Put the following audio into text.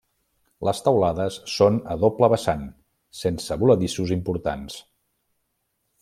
Les teulades són a doble vessant, sense voladissos importants.